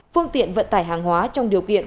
phương tiện vận tải hàng hóa trong điều kiện